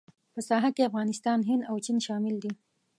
په ساحه کې افغانستان، هند او چین شامل دي.